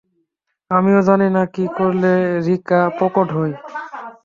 আমিও জানি না কী করলে রিকা প্রকট হয়।